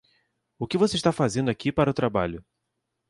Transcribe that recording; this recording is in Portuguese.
O que você está fazendo aqui para o trabalho?